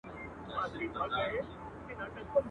له مطربه سره نسته نوی شرنګ نوي سورونه.